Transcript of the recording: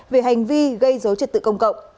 về hành vi gây dấu trật tự công cộng